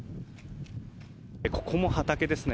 ここも畑ですね。